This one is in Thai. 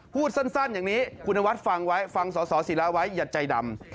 พูดสั้นอย่างนี้คุณนวัดฟังไว้ฟังสสิระไว้อย่าใจดำ